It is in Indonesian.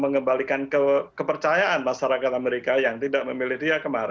mengembalikan kepercayaan masyarakat amerika yang tidak memilih dia kemarin